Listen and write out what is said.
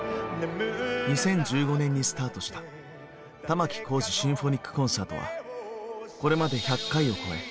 ２０１５年にスタートした「玉置浩二シンフォニックコンサート」はこれまで１００回を超え